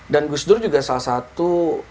dan gus dur juga salah satu